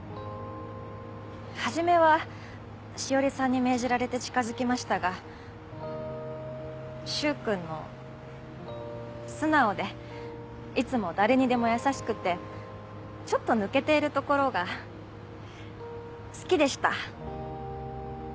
初めは詩織さんに命じられて近づきましたが柊君の素直でいつも誰にでも優しくてちょっと抜けているところが好きでした。